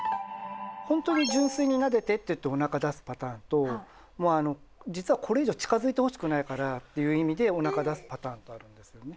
本当に純粋になでてっておなか出すパターンともうあの実はこれ以上近づいてほしくないからという意味でおなか出すパターンとあるんですね。